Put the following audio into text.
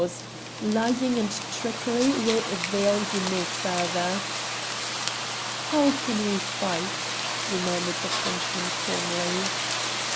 Lying and trickery will avail you no further!" "How can we fight?" demanded the Frenchman calmly.